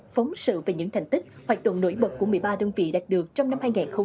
phóng sự về những thành tích hoạt động nổi bật của một mươi ba đơn vị đạt được trong năm hai nghìn hai mươi ba